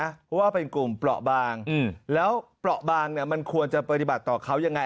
เพราะว่าเป็นกลุ่มเปราะบางแล้วเปราะบางเนี่ยมันควรจะปฏิบัติต่อเขายังไง